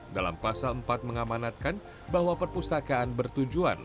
dalam pasal empat mengamanatkan bahwa perpustakaan bertujuan